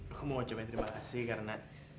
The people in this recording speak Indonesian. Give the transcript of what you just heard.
aku mau cobain terima kasih karena